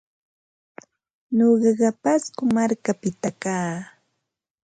Nuqaqa Pasco markapita kaa.